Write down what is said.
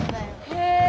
へえ！